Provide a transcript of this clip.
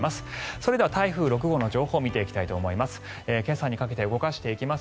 それでは台風６号の情報を見ていきたいと思います。